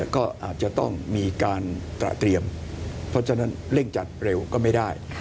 ก็อาจจะต้องมีการตระเตรียมเพราะฉะนั้นเร่งจัดเร็วก็ไม่ได้